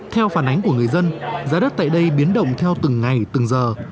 theo phản ánh của người dân giá đất tại đây biến động theo từng ngày từng giờ